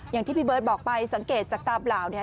อย่างที่พี่เบิร์ตบอกไปสังเกตจากตาเปล่าเนี่ย